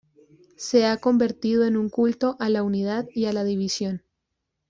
Se ha convertido en un culto a la unidad y la división.